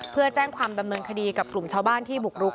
เพื่อแจ้งความดำเนินคดีกับกลุ่มชาวบ้านที่บุกรุก